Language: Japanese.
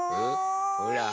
ほら！